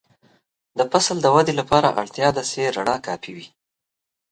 د فصل د ودې لپاره اړتیا ده چې رڼا کافي وي.